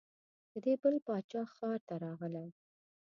د دې بل باچا ښار ته راغلې.